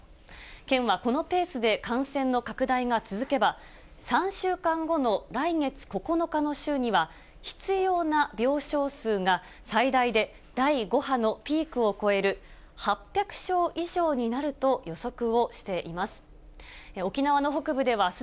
県はこのペースで感染の拡大が続けば、３週間後の来月９日の週には、必要な病床数が最大で第５波のピークを超える８００床以上になると予測をしています。